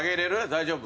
大丈夫？